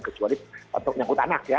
kecuali untuk nyangkut anak ya